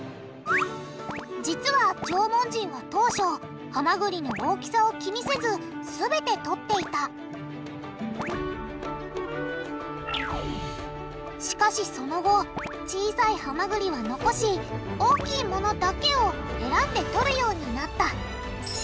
実は縄文人は当初ハマグリの大きさを気にせずすべてとっていたしかしその後小さいハマグリは残し大きいものだけを選んでとるようになった。